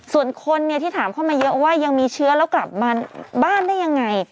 ส่วนคนที่ถามเข้ามาเยอะว่ายังมีเชื้อแล้วกลับมาบ้านได้ยังไง